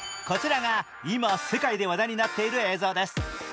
こちらが今、世界で話題になっている映像です。